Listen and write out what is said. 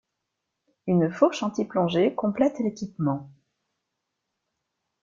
Une fourche anti-plongée complète l'équipement.